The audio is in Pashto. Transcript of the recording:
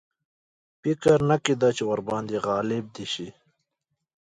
فکر نه کېدی ورباندي غالب دي شي.